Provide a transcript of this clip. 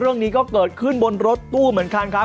เรื่องนี้ก็เกิดขึ้นบนรถตู้เหมือนกันครับ